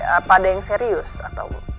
apa ada yang serius atau